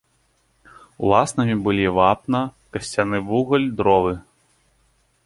Уласнымі былі вапна, касцяны вугаль, дровы.